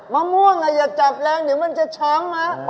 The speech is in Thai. มะม่วงอย่าจับแรงเดี๋ยวมันจะช้ำ